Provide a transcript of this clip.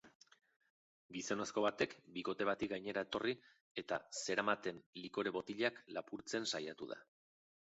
Gizonezko batek bikote bati gainera etorri eta zeramaten likore botilak lapurtzen saiatu da.